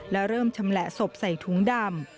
และเริ่มชำแหละศพใส่ถุงดำ